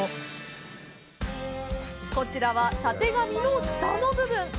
こちらはタテガミの下の部分。